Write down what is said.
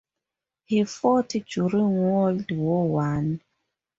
He fought during World War One.